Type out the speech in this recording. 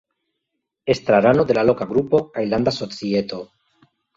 Estrarano de la loka grupo kaj landa societo.